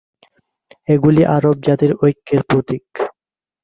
এগুলি আরব জাতির ঐক্যের প্রতীক।